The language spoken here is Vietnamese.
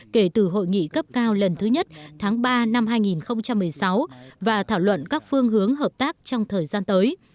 kể từ hội nghị cấp cao lần thứ nhất tháng ba năm hai nghìn một mươi sáu và thảo luận các phương hướng hợp tác trong thời gian tới